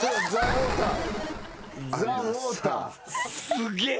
すげえ。